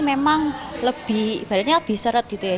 memang lebih ibaratnya lebih seret gitu ya